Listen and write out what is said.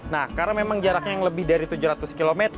nah karena memang jaraknya yang lebih dari tujuh ratus km